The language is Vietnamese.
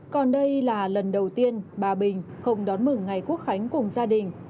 còn đây là lần đầu tiên bà bình không đón mừng ngày quốc khánh cùng gia đình